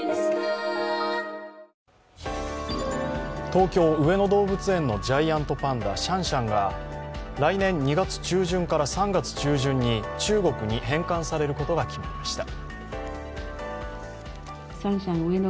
東京・上野動物園のジャイアントパンダ、シャンシャンが来年２月中旬から３月中旬に中国に返還されることが決まりました。